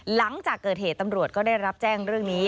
หลังจากเกิดเหตุตำรวจก็ได้รับแจ้งเรื่องนี้